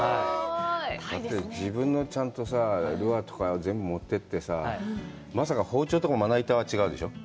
ちゃんとさぁ、自分のルアーとか、全部、持っていってさ、まさか包丁とかまな板は違うでしょう？